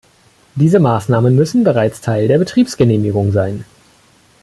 Diese Maßnahmen müssen bereits Teil der Betriebsgenehmigung sein.